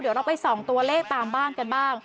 เดี๋ยวเราไปส่องตัวเลขตามบ้านกันบ้าง